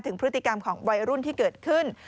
ถึงพฤติกรรมของวัยรุ่นที่เกิดขึ้น